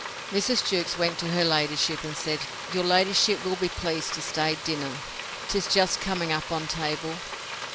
Mrs. Jewkes went to her ladyship, and said, Your ladyship will be pleased to stay dinner; 'tis just coming upon table?